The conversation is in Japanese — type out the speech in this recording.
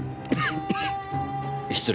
失礼。